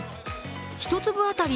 １粒当たり